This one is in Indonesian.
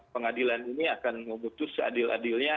pengadilan ini akan memutus seadil adilnya